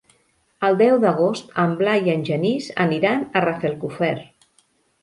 El deu d'agost en Blai i en Genís aniran a Rafelcofer.